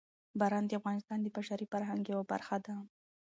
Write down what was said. باران د افغانستان د بشري فرهنګ یوه برخه ده.